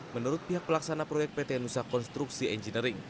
menurut pihak pelaksana proyek pt nusa konstruksi engineering